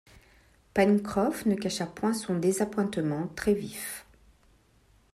Pencroff ne cacha point son désappointement très-vif